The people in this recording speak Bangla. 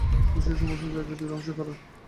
ঈর্ষাই সমস্ত দাসজাতির ধ্বংসের কারণ।